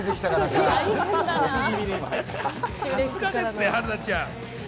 さすがですね、春菜ちゃん。